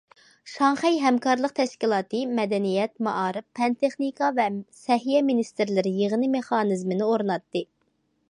شاڭخەي ھەمكارلىق تەشكىلاتى مەدەنىيەت، مائارىپ، پەن تېخنىكا ۋە سەھىيە مىنىستىرلىرى يىغىنى مېخانىزمىنى ئورناتتى.